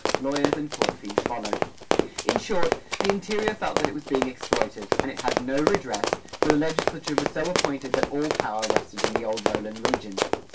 Lawyers and court fees followed. In short, the interior felt that it was being exploited,[118:3] and it had no redress, for the legislature was so apportioned that all power rested in the old lowland region.